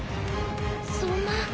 そんな。